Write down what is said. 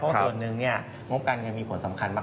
เพราะส่วนหนึ่งงบการเงินมีผลสำคัญมาก